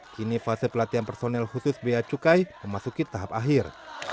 kini fase pelatihan personel khusus bacukai memasuki tahap akhir